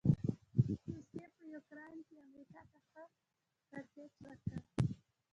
روسې په يوکراين کې امریکا ته ښه ګړچ ورکړ.